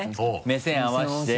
目線合わせて。